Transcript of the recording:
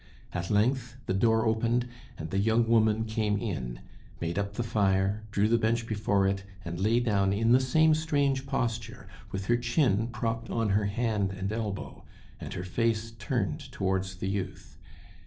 At length the door opened, and the young woman came in, made up the fire, drew the bench before it, and lay down in the same strange posture, with her chin propped on her hand and elbow, and her face turned towards the youth.